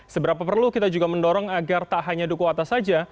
seberapa perlu kita juga mendorong agar tak hanya duku atas saja